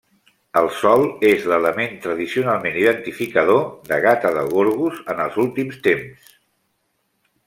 El sol és l'element tradicionalment identificador de Gata de Gorgos en els últims temps.